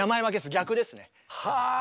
逆ですね。は！